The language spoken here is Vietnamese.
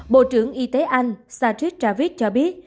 bộ trưởng y tế anh satish javid cho biết